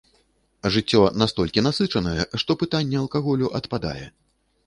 Жыццё настолькі насычанае, што пытанне алкаголю адпадае.